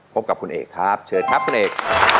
พบกับคุณเอกครับเชิญครับคุณเอก